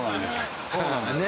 そうなんですよ。